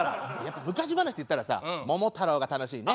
昔話っていったらさ「桃太郎」が楽しいね。